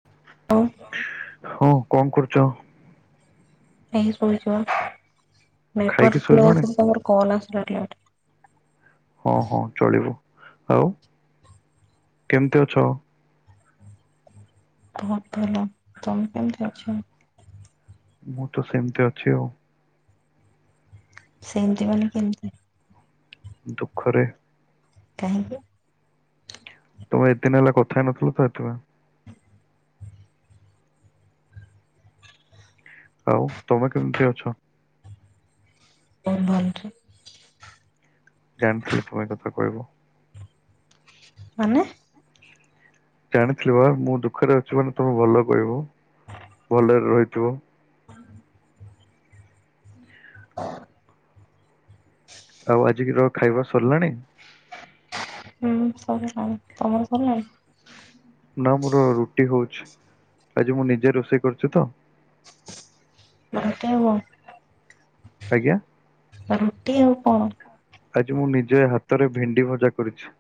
[unintelligible] ହଁ କଣ କରୁଛ। ଏଇ ଶିବା ନଟ ଖାଇକି ଶୋଇଲଣି? ଫ୍ଲୋମର କଣ ଆସିଲା। ହଁ ହଁ ଚଳିବୁ ଆଉ କେମତି ଅଛ? ବହୁତ ଭଲ ତମେ କେମତି ଅଛ। ମୁଁ ତ ସେମିତି ଅଛି ଆଉ ସେମିତି ମାନେ କେମିତି ଦୁଃଖରେ କାହିଁକି ତମେ ଏତେଦିନ ହେଲା କଥା ହେଇ ନଥିଲ ତ ଏଥି ପାଇଁ ଆଉ ତମେ କେମିତି ଅଛ ମୁଁ ଭଲରେ ଜାଣିଥିଲି ତୁମେ ଏକଥା କହିବ ମାନେ ଜାଣିଥିଲି ବା ମୁଁ ଦୁଃଖରେ ଅଛି ମାନେ ତମେ ଭଲ କହିବ ଭଲରେ ରହିଥିବ ହ [unintelligible] ଆଉ ଆଜିିକ ର ଖାଇବା ସରିଲାଣି ହୁଁ ସରିଲାଣି ତମର ସରିଲାଣି ନା ମୋର ରୁଟି ହଉଛି ଆଜି ମୁଁ ନିଜେ ରୋଷେଇ କରୁଛି ତ। ରଟି ଆଉ ଆଜ୍ଞା ରୁଟି ଆଉ କଣ ଆଜି ମୁଁ ନିଜେ ହାତରେ ଭେଣ୍ଡି ଭଜା କରିଛି।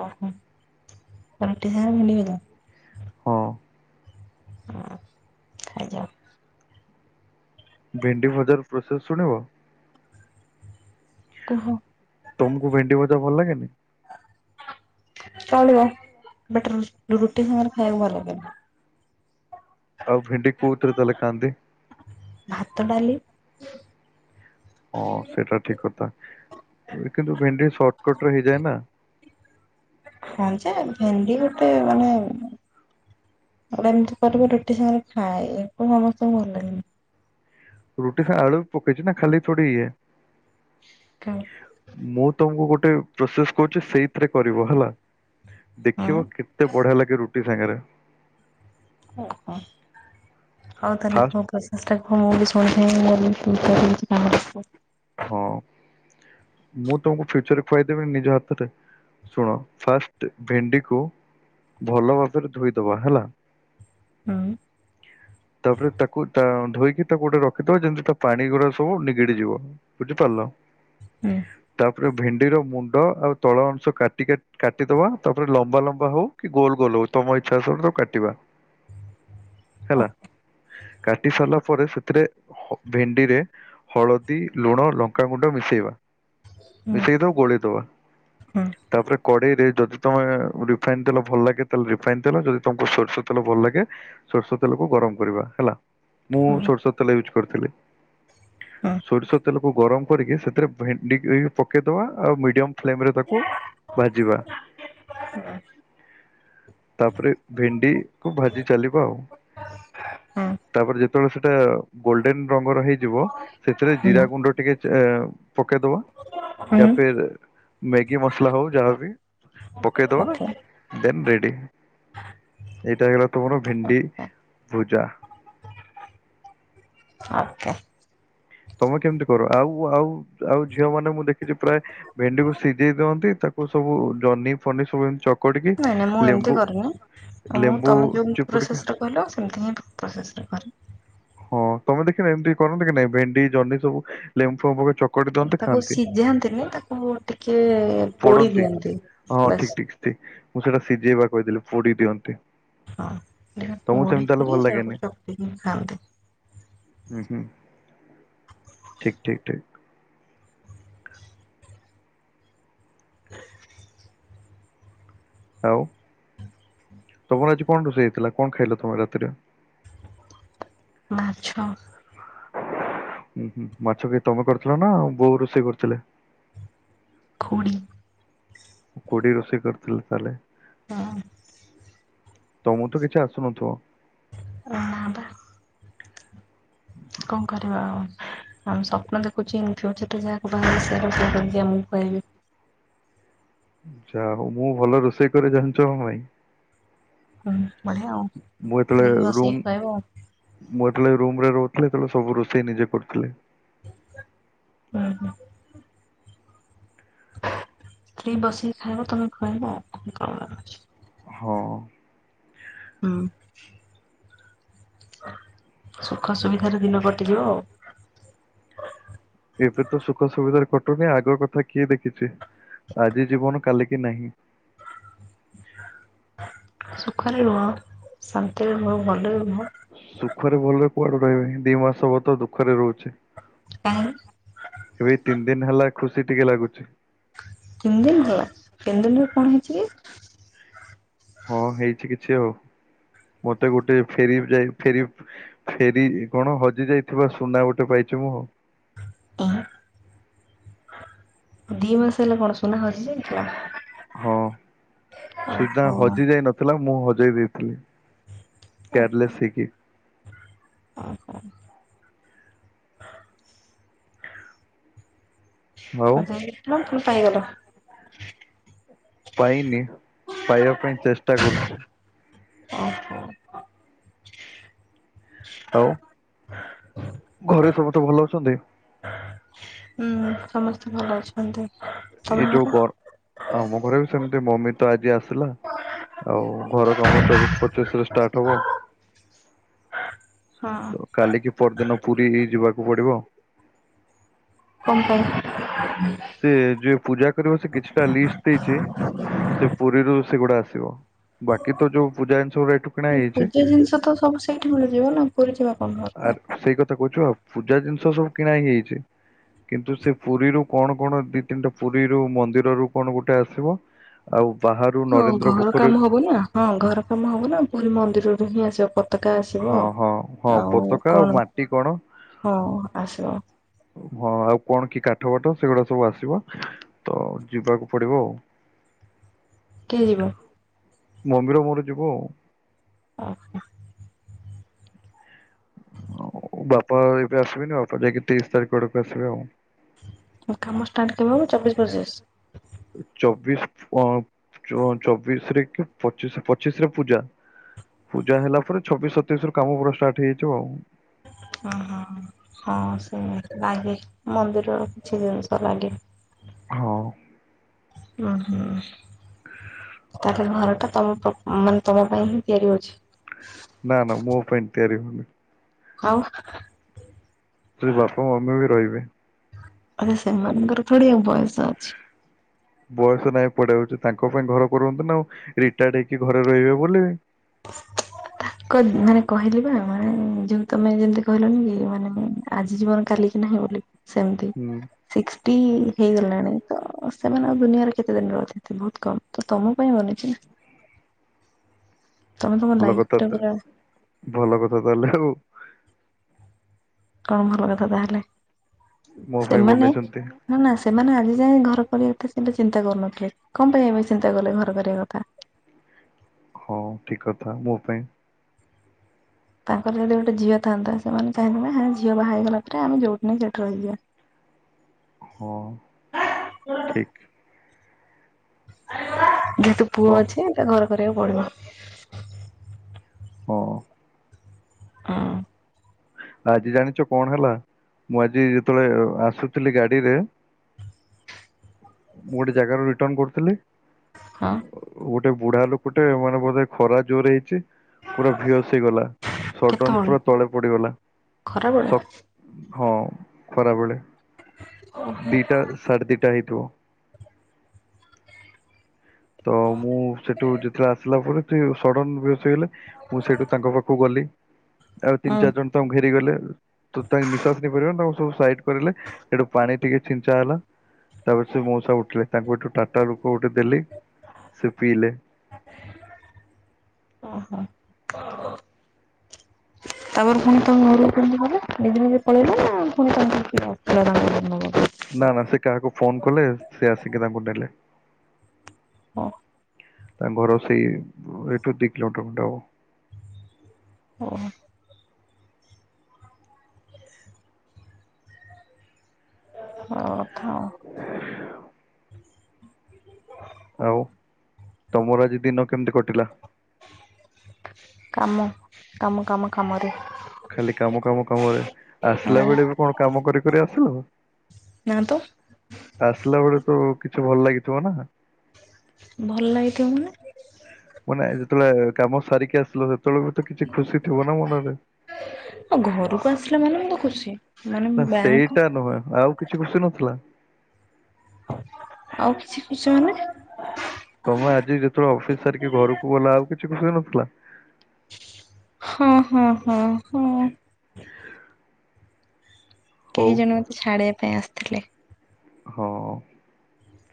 ଓହୋ ରୁଟି ସହ ଭେଣ୍ଡି ଭଜା ହଁ ହ ଖାଇଜାଅ ଭେଣ୍ଡି ଭଜାର ପ୍ରୋସେସ ଶୁଣିବ କୁହ। ତମକୁ ଭେଣ୍ଡି ଭଜା ଭଲ ଲାଗେନି। ଚଳିବ ବଟ ର ରୁଟି ସାଙ୍ଗରେ ଖାଇବାକୁ ଭଲ ଲାଗେନି। ଆଉ ଭେଣ୍ଡି କଉଥିରେ ତାହେଲେ ଖାଆନ୍ତି ଭାତ ଡାଲି ହଁ ସେଇଟା ଠିକ କଥା କିନ୍ତୁ ଭେଣ୍ଡି ସର୍ଟକଟ ରେ ହେଇଯାଏ ନା ହଁ ଯେ ଭେଣ୍ଡି ଗୋଟେ ମାନେ ଆ ଏମିତି କରିବ ରୁଟି ସାଙ୍ଗରେ ଖାଇଏ ଏମିତି ସମସ୍ତଙ୍କୁ ଭଲ ଲାଗନି ରୁଟି ସ ଆଳୁ ପକେଇଛି ନା ଖାଲି ଥୋଡ଼ି ଇଏ କଁ ମୁଁ ତମକୁ ଗୋଟେ ପ୍ରୋସେସ କହୁଛି ସେଇଥିରେ କରିବ ହେଲା। ହଁ ଦେଖିବ କେତେ ବଢିଆ ଲାଗେ ରୁଟି ସାଙ୍ଗରେ ଓହୋ ହଉ ତାହେଲେ ଫାଷ୍ଟ କ [unintelligible] ମୁଁ ଶୁଣି [unintelligible] ହଁ ମୁଁ ତମକୁ ଫ୍ୟୁଚରରେ ଖୁଆଇଦେବିନି ନିଜ ହାତରେ ଶୁଣ ଫାଷ୍ଟ ଭେଣ୍ଡି କୁ ଭଲ ଭାବରେ ଧୋଇଦବା ହେଲା। ହୁଁ ତାପରେ ତାକୁ ତା ଧୋଇକି ତାକୁ ଗୋଟେ ରଖିଦବା ଯେମିତି ତା ପାଣି ଗୁଡା ସବୁ ନିଗିଡି ଯିବ। ବୁଝିପାରିଲ ହୁଁ ତାପରେ ଭେଣ୍ଡି ର ମୁଣ୍ଡ ଆଉ ତଳ ଅଂଶ କାଟି କାଟି କାଟିଦବା ତାପରେ ଲମ୍ବା ଲମ୍ବା ହଉ କି ଗୋଲ ଗୋଲ ହଉ ତମ ଇଚ୍ଛା ଅନୁସାରେ କାଟିବା। ଓ ହେଲା କାଟି ସାରିଲା ପରେ ସେଥିରେ ଭେଣ୍ଡିରେ ହଳଦୀ ଲୁଣ ଲଙ୍କାଗୁଣ୍ଡ ମିଶେଇବା ହୁଁ ମିଶେଇଦଉ ଗୋଳିେଇ ଦବା ହୁଁ ତାପରେ କଡେଇରେ ଯଦି ତମେ ରିଫାଇନ ତେଲ ଭଲ ଲାଗେ ତାହେଲେ ରିଫାଇନ ତେଲ ଯଦି ତମକୁ ସୋରିଷ ତେଲ ଭଲ ଲାଗେ। ସୋରିଷ ତେଲକୁ ଗରମ କରିବା ହେଲା ମୁଁ ହୁଁ ସୋରିଷ ତେଲ ୟୁଜ କରିଥିଲି। ସୋରିଷ ତେଲ। କୁ ଗରମ କରିକି ସେଥିରେ ଭେଣ୍ଡି ପକେଇଦବା ଆଉ ମିଡିୟମ ଫ୍ଲେମ ରେ ତାକୁ। ଭାଜିବା। ହୁଁ ତାପରେ ଭେଣ୍ଡି କୁ ଭାଜି ଚାଲିବା ଆଉ। ହୁଁ ତାପରେ ଯେତେବେଳେ ସେଇଟା ଗୋଲଡେନ ରଙ୍ଗର ହେଇଯିବ ସେଥିରେ ଜିରା ଗୁଣ୍ଡ ଟିକେ। ଏଁ ପକେଇଦବା ହୁଁ ୟା ଫିର୍ ମ୍ୟାଗି ମସଲା ହଉ ଯାହାବି। ପକେଇଦବା ଓକେ ଦେନ ରେଡି ଏଇଟା ହେଲା ତମର ଭେଣ୍ଡି। ଭୁଜା। [inaudible] ତମେ କେମିତି କର ଆଉ ଆଉ ଆଉ ଝିଅ ମାନ ମୁଁ ଦେଖିଛି ପ୍ରାୟ। ଭେଣ୍ଡିକୁ ସିଝେଇ ଦିଅନ୍ତି ତାକୁ ସବୁ ଜହ୍ନି ଫନି ସବୁ ଏମିତି ଚକଡିକି। ନାଇଁ ନାଇଁ ମୁଁ ଏମିତି କରେନି ମୁଁ ତମେ ଯେମତି ଚିପୁଡିକି ପ୍ରୋସେସ ରେ କହିଲ ସେମିତି ହିଁ ପ୍ରୋସେସ ରେ କରେ। ହଁ ତମ ଦେଖିନ ଏମିତି କରନ୍ତି କି ନାଇ ଭେଣ୍ଡି ଜହ୍ନି ସବୁ ଲେମ୍ବୁ ଲେମ୍ବୁ ପକେଇ କି ଚ ତାକୁ ସିଝାନ୍ତିନି ତାକୁ ଟିକେ ପୋଡି ପୋଡନ୍ତି ଦିଅନ୍ତି ହଁ ବାସ୍। ଠିକ ଠିକ ମୁଁ ସେଟା ସିଝେଇବା କହିଦେଲି ପୋଡି ଦିଅନ୍ତି। ହଁ ଟିକେ ତମକୁ ସେମିତି ତାହେଲେ ଭଲ ପୋଡିକିରି ତାକୁ ଚକଟି କିରି ଖାଆନ୍ତି। ଉଁ ହୁଁ ହୁଁ ଠିକ୍ ଠିକ୍ ଠିକ୍। ଆଉ ତମର ଆଜି କଣ ରୋଷେଇ ହେଇଥିଲା କଣ ଖାଇଲ ତମେ ରାତିରେ। ମାଛ। ଉଁ ହୁଁ ମାଛ କିଏ ତମେ କରିଥିଲ ନା ବୋଉ ରୋଷେଇ କରିଥିଲେ। ଖୁଡି ଖୁଡି ରୋଷେଇ କରିଥିଲେ ତାହେଲେ ହଁ ତମକୁ ତ କିଛି ଆସୁନଥିବ। ନା ବା। ଉଁ ହୁଁ। କଣ କରିବା ଆଉ ସ୍ୱପ୍ନ ଦେଖୁଛି ଯୋଉଠି ବି ଯାହାକୁ ବାହହେବି ତାକୁ [unintelligible] ଯା ହଉ ମୁଁ ଭଲ ରୋଷେଇ କରି ଜାଣିଛ ନା ନାଇଁ। ହୁଁ ବଢିଆ ଆଉ ମୁଁ ଯେତେବେଳେ ତୁମେ ବି ରୁମ ରୁଷେଇ କରିବ ଆଉ। ମୁଁ ଯେତେବେଳେ ଏ ରୁମ ରେ ରହୁଥିଲି ସେତେବେଳେ ସବୁ ରୋଷେଇ ନିଜେ କରୁଥିଲି। ଉଁ ହୁଁ। ସ୍ତ୍ରୀ ବସିକି ଖାଇବ ତମେ ଖୁଆଇବ ଆଉ କଣ ଅଛି। ହଁ। ହୁଁ। ସୁଖ ସୁବିଧାରେ ଦିନ କଟିଯିବ ଆଉ। ଏବେ ତ ସୁଖ ସୁବିଧାରେ କଟୁନି ଆଗ କଥା କିଏ ଦେଖିଛି ଆଜି ଜୀବନ କାଲି କିି ନାହିଁ। ସୁଖରେ ରୁହ ଶାନ୍ତିରେ ରୁହ ଭଲରେ ରୁହ। ସୁଖରେ ଭଲରେ କୁଆଡୁ ରହିବି ଦି ମାସ ହବ ତ ଦୁଖରେ ରହୁଛି। କାଇଁ। ଏଇ ତିନି ଦିନ ହେଲା ଖୁସି ଟିକେ ଲାଗୁଛି। ତିନି ଦିନ ହେଲା ତିନି ଦିନରେ କଣ ହେଇଛି କି। ହଁ ହେଇଛି କିଛି ଆଉ ମତେ ଗୋଟେ ଫେରି ଯାଇ ଫେରି ଫେରି କଣ ହଜି ଯାଇଥିବା ସୁନା ଗୋଟେ ପାଇଛି ମୁଁ ଆଉ। ଆଁ ଦି ମାସ ହେଲା କଣ ସୁନା ହଯି ଯାଇଥିଲା। ହଁ ସିଧା ଓହୋ। ହଜି ଯାଇ ନଥିଲା ମୁଁ ହଜେଇ ଦେଇଥିଲି। ଓହୋ କେୟାରଲେସ୍ ହେଇ କିି। ଓହୋ ଆଉ [inaudible] ପାଇନି। ପାଇବା ପାଇଁ ଚେଷ୍ଟା କରୁଚି। ଓହୋ। ଆଉ ଘରେ ସମସ୍ତେ ଭଲ ଅଛନ୍ତି? ହୁଁ ସମସ୍ତେ ଭଲ ଅଛନ୍ତି। ଏଇ ତମ ଯୋଉ ଘରେ ଗ ଆମ ଘରେ ବି ସେମିତି ମମି ତ ଆଜି ଆସିଲା। ଆଉ ଘର କାମ ଚବିଶ ପଚିଶ ରେ ଷ୍ଟାର୍ଟ ହବ। ହଁ ତ କାଲିକି ପରଦିନ ପୁରୀ ଯିବାକୁ ପଡିବ। କଣ ପାଇଁ? ସେ ଯିଏ ପୂଜା କରିବ ସେ କିଛିଟା ଲିଷ୍ଟ ଦେଇଚି। ସେ ପୁରୀରୁ ସେଗୁଡା ଆସିବ। ବାକି ତ ଯୋଉ ପୂଜା ଜିନିଷ ଗୁଡା ଏଠୁ କିଣା ହେଇଚି। ପୂଜା ଜିନିଷ ତ ସବୁ ସେଇଠି ମିଳିଯିବ ନା ପୁରୀ ଯିବା କଣ ଆ ଦରକାର। ସେଇ କଥା କହୁଚି ପା ପୂଜା ଜିନିଷ ସବୁ କିଣା ହେଇଯାଇଚି। କିନ୍ତୁ ସେ ପୁରୀରୁ କଣ କଣ ଦି ତିନିଟା ପୁରୀରୁୁ ମନ୍ଦିର ରୁ କଣ ଗୋଟେ ଆସିବ। ଆଉ ବାହାରୁ ହଁ ନରେନ୍ଦ୍ର ଘର ପୋଖରୀ କାମ ହବ ନା। ହଁ ଘର କାମ ହବ ନା ପୁରୀ ମନ୍ଦିରରୁ ହିଁ ଆସିବ ପ ପତାକା ଟା ଆସିବ ହଁ ହଁ ହଁ ଆଉ ପତାକା ଆଉ କଣ ମାଟି କଣ ହଁ ଆସିବ। ହଁ ଆଉ କଣ କି କାଠ ବାଠ ସେଗୁଡା ସବୁ ଆସିବ। ତ ଯିବାକୁ ପଡିବ ଆଉ। କିଏ ଯିବ? ମମିର ମୋର ଯିବୁ ଆଉ। ଓ ହୋ। ଆଉ ବାପା ଆଉ ଏବେ ଆସିବେନି। ବାପା ଯାଇକି ତେଇଶ ତାରିଖ ଆଡକୁ ଆସିବେ ଆଉ। ଆଉ କାମ ଷ୍ଟାର୍ଟ କେବେ ହବ ଚବିଶ ପଚିଶ? ଚବିଶ ଅ ଚ ଚବିଶ ରେ କି ପଚିଶ ପଚିଶ ରେ ପୂଜା। ପୂଜା ହେଲା ପରେ ଛବିଶ ସତେଇଶ ରୁ କାମ ପୁରା ଷ୍ଟାର୍ଟ ହେଇଯାଇଥବ ଆଉ। ଓହ। ହଁ ହଁ ସେମିତି ଲାଗେ ମନ୍ଦିରର କିଛି ଜିନିଷ ଲାଗେ। ହଁ। ହୁଁ ହୁଁ। ତ ଆପଣଙ୍କ ଘର ଟା ତମ ମାନେ ତମ ପାଇଁ ହିଁ ତିଆରି ହଉଚି? ନା ନା ମୋ ପାଇଁ ତିଆରି ହଉନି। ଆଉ? ସେ ବାପା ମମି ବି ରହିବେ। ଆରେ ସେମାନଙ୍କର ଥୁଡି ଆଉ ବୟସ ଅଛି। ବୟସ ନାଇଁ ପଡି ରହୁଚି। ତାଙ୍କ ପାଇଁ ଘର କରନ୍ତି ନା ଆଉ ରିଟାୟାର୍ଡ ହେଇକି ଘରେ ରହିବେ ବୋଲି। କ ମାନେ କହିଲି ବା ମାନେ ଯଉ ତମେ ଯେମିତି କହିଲନି କି ମାନେ ଆଜି ଜୀବନ କାଲି କି ନାହିଁ ବୋଲି ସେମିତି। ସିକ୍ସଟି ହେଇଗଲାଣି ତ ସେମାନେ ଆଉ ଦୁନିଆରେ କେତେ ଦିନର ଅତିଥି ବହୁତ କମ। ତ ତମ ପାଇଁ ବନିଚି ନା? ତମେ ତମ ଭଲ ଲାଇଫ କଥା ଟା ତ ପୁରା ଭଲ କଥା ତାହେଲେ ଆଉ। କଣ ଭଲ କଥା ତାହେଲେ। ମୋ ପାଇଁ ସେମାନେ ବନେଇଛନ୍ତି ନା ନା ସେମାନେ ଆଜି ଯାଇ ଘର କରିବା କଥା କେବେ ଚିନ୍ତା କରୁନଥିଲେ। କଣ ପାଇଁ ଏବେ ଚିନ୍ତା କଲେ ଘର କରିବା କଥା। ହଁ ଠିକ କଥା ମୋ ପାଇଁ। ତାଙ୍କର ଯଦି ଗୋଟେ ଝିଅ ଥାନ୍ତା ସେମାନେ ଚାହିବେନା ହଁ ଝିଅ ବାହା ହେଇଗଲା ପରେ ଆମେ ଯୋଉଠି ନାଇ ସେଠି ରହିଯିବା। ହଁ ଠିକ। ଯେହେତୁ ପୁଅ କହ ଅଛି ତ ଘର କରିବାକୁ ପଡିବ। ହଁ। ହଁ। ଆଜି ଜାଣିଛ କଣ ହେଲା ମୁଁ ଆଜି ଯେତେବେଳେ ଆସୁଥିଲି ଗାଡିରେ ମୁଁ ଗୋଟେ ଜାଗାରୁ ରିଟର୍ଣ କରୁଥିଲି। ହଁ। ଗୋଟେ ବୁଢା ଲୋକଟେ ମାନେ ବୋଧେ ଖରା ଜୋରେ ହେଇଛି। ପୁରା ଭିଅସ ହେଇଗଲା ସଡନ କେତେବେଳେ ପୁରା ତଳେ ପଡିଗଲା। ଖରାବେଳେ ସ ହଁ ଖରାବେଳେ ଦିଟା ସାଢେ ଦିଟା ହେଇଥିବ। ତ ମୁଁ ସେଠୁ ଯେତେବେଳେ ଆସିଲା ପରେ ସେ ସଡ଼ନ ବେହସ ହେଇଗଲେ, ମୁଁ ସେଠୁ ତାଙ୍କ ପାଖକୁ ଗଲି ଆଉ ହଁ ତିନି ଚାରି ଜଣ ତାଙ୍କୁ ଘେରି ଗଲେ। ତୁ ତାଙ୍କ ନିଶ୍ଵାସ ନେଇ ପାରିବ ତାଙ୍କୁ ସବୁ ସାଇଡ କରିଲେ ଏଠୁ ପାଣି ଟିକେ ଛିଞ୍ଚା ହେଲା। ତାପରେ ସେ ମଉସା ଉଠିଲେ ତାଙ୍କୁ ଏଠୁ ଟାଟା ଗ୍ଲୁକୋ ଗୋଟେ ଦେଲି। ସେ ପିଇଲେ। ଓ ହୋ। ତା ପରେ ପୁଣି ଚୁପ୍। ତାଙ୍କ ଘର କୁ କେମିତି ଗଲେ? ନିଜେ ନିଜେ ପଳେଇଲା ନା ପୁଣି ତାଙ୍କ କିଏ ତାଙ୍କୁ [unintelligible] ଘରକୁ ନେବାପାଇଁ ନା ନା ସେ କାହାକୁ ଫୋନ କଲେ, ସେ ଆସିକି ତାଙ୍କୁ ନେଲେ। ହଁ। ତାଙ୍କ ଘର ସେଇ ଏଠୁ ଦି କିଲୋମିଟର ଖଣ୍ଡେ ହବ। ଓହ ହଉଥା [unintelligible] [unintelligible] ଆଉ ତମର ଆଜି ଦିନ କେମିତି କଟିଲା? କାମ କାମ କାମ କାମରେ। ଖାଲି କାମ କାମ କାମରେ ଆସିଲା ହଁ ବେଳେ ବି କଣ କାମ କରି କରି ଆସିଲ? ନା ତ ଆସିଲା ବେଳେ ତ କିଛି ଭଲ ଲାଗିଥିବ ନା। ଭଲ ଲାଗିଥିବ ମାନେ? ମାନେ ଯେତେବେଳେ କାମ ସାରିକି ଆସିଲ ସେତେବେଳେ ବି ତ କିଛି ଖୁସି ଥିବ ନା ମନରେ। ଆଉ ଘରକୁ ଆସିଲା ମାନେ ମୁଁ ତ ଖୁସି ମାନେ ନା ବ୍ୟାଙ୍କ ସେଇଟା ନୁହେଁ ଆଉ କିଛି ଖୁସି ନଥିଲା। ଆଉ କିଛି ଖୁସି ମାନେ! ତମେ ଆଜି ଯେତେବେଳେ ଅଫିସ ସାରିକି ଘରକୁ ଗଲ, ଆଉ କିଛି ଖୁସି ନଥିଲା? ହଁ ହଁ ହଁ ହଁ କେହି ହଉ ଜଣେ ମତେ ଛାଡିବା ପାଇଁ ଆସିଥିଲେ। ହଁ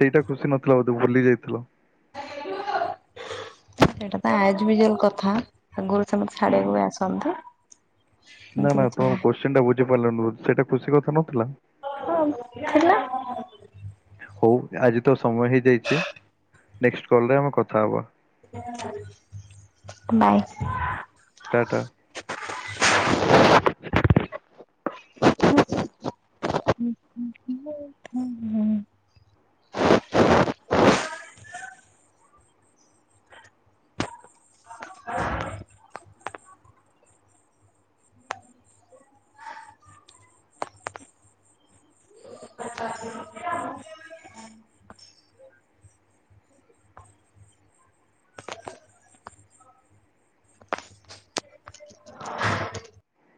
ସେଇଟା ଖୁସି ନଥିଲା ବୋଧେ ଭୁଲି ଯାଇଥିଲ। [unintelligible] ସେଇଟା ତ ଆଇଜ ୟୁଜାଲ କଥା ଆଗରୁ ସେ ମୋତେ ଛାଡିବାକୁ ବି ଆସନ୍ତି। ନା ଏମିତି ନା କିଛି ତମ ନାହିଁ କୋଶ୍ଚିନ ଟା ବୁଝିପାରିଲନି ସେଟା ଖୁସି କଥା ନଥିଲା। ହଁ ଥେଲା। ହଉ ଆଜି ତ ସମୟ ହେଇଯାଇଛି ନେକ୍ସଟ କଲରେ ଆମେ କଥା ହବା। ବାଏ ଟାଟା ହୁଁ ହୁଁ ହୁଁ। [unintelligible]